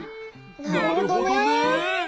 なるほどね。